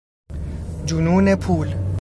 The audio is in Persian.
جنون پول